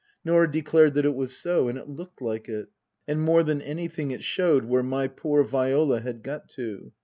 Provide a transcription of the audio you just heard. Norah declared that it was so, and it looked like it. And more than anything it showed where my poor Viola had got to.